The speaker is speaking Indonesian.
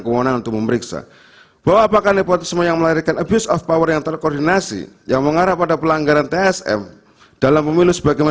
keuangan untuk memeriksa bahwa apakah nepotisme yang melahirkan abuse of power yang terkoordinasi